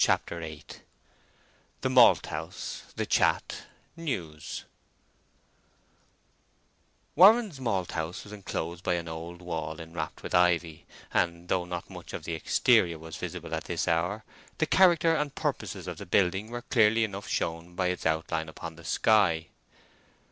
CHAPTER VIII THE MALTHOUSE—THE CHAT—NEWS Warren's Malthouse was enclosed by an old wall inwrapped with ivy, and though not much of the exterior was visible at this hour, the character and purposes of the building were clearly enough shown by its outline upon the sky.